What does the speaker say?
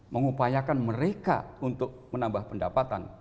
mengupayakan mereka untuk menambah pendapatan